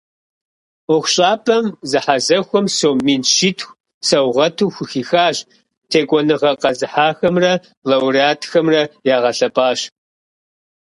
Ӏуэхущӏапӏэм зэхьэзэхуэм сом мин щитху саугъэту хухихащ, текӏуэныгъэ къэзыхьахэмрэ лауреатхэмрэ ягъэлъэпӏащ.